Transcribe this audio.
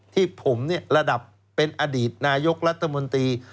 ที่ผมระดับเป็นอดีตนายกรัฐมนตรี